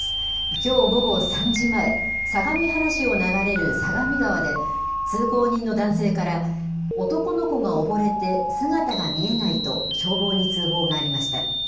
きょう午後３時前、相模原市を流れる相模川で、通行人の男性から、男の子が溺れて姿が見えないと消防に通報がありました。